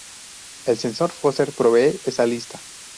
El censo Foster proveen esa lista.